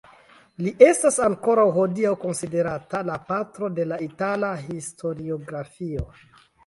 Li estas ankoraŭ hodiaŭ konsiderita la patro de la itala historiografio.